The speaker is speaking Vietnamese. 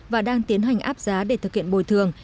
và đang tiến hành áp giá để thực hiện bồi thường